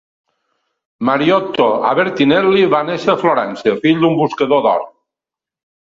Mariotto Albertinelli va néixer a Florència, fill d'un buscador d'or.